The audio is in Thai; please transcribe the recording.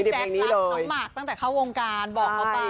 พี่แจกรักน้องมะตั้งแต่เข้าวงการบอกเข้าไป